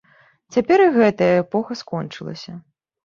Цяпер і гэтая эпоха скончылася.